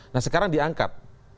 nah sekarang diangkat